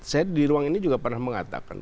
saya di ruang ini juga pernah mengatakan